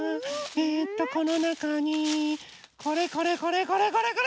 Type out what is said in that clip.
えとこのなかにこれこれこれこれこれこれ！